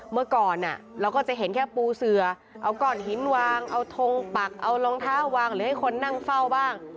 เมื่อก่อนเราก็จะเห็นแค่ปูเสือเอาก้อนหินวางเอาทงปักเอารองเท้าวางหรือให้คนนั่งเฝ้าบ้าง